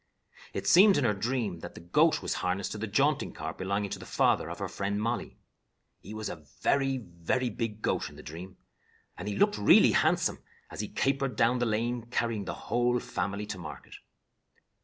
It seemed in her dream that the goat was harnessed to the jaunting car belonging to the father of her friend Molly. He was a very, very big goat in the dream, and he looked really handsome, as he capered down the lane, carrying the whole family to market.